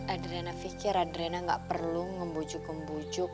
adriana pikir adriana gak perlu ngembujuk ngembujuk